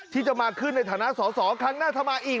ที่จะมาขึ้นในฐานะสอสอครั้งหน้าถ้ามาอีก